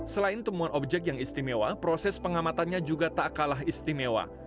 selain temuan objek yang istimewa proses pengamatannya juga tak kalah istimewa